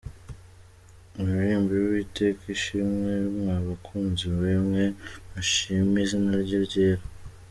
Muririmbire Uwiteka ishimwe mwa bakunzi be mwe, Mushime izina rye ryera.